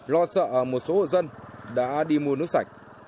lo sợ một số hộ dân đã đi mua nước sạch